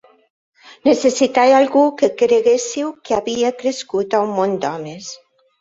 Necessitava algú que creguéssiu que havia crescut a un món d'homes.